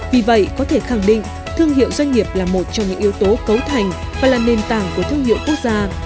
vì vậy có thể khẳng định thương hiệu doanh nghiệp là một trong những yếu tố cấu thành và là nền tảng của thương hiệu quốc gia